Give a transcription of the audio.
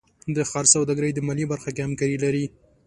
د ښار سوداګرۍ د مالیې برخه کې همکاري لري.